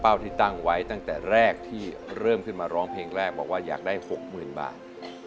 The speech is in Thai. ที่ตั้งไว้ตั้งแต่แรกที่เริ่มขึ้นมาร้องเพลงแรกบอกว่าอยากได้๖๐๐๐บาท